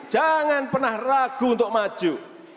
jangan pernah ragu untuk maju